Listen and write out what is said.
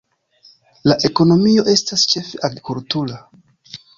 La ekonomio estas ĉefe agrikultura.